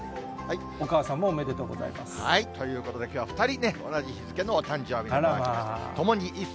お母さんもおめでとうございます。ということで、きょうは２人ね、同じ日付のお誕生日の子が来ました。